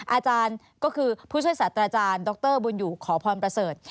อาจารย์ก็คือผู้ช่วยศาสตราจารย์ดรบุญอยู่ขอพรประเสริฐ